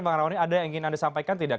bang rawani ada yang ingin anda sampaikan tidak